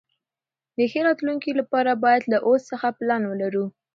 د ښې راتلونکي لپاره باید له اوس څخه پلان ولرو.